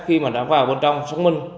khi mà đã vào bên trong xác minh